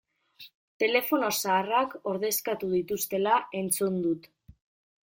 Telefono zaharrak ordezkatu dituztela entzun dut.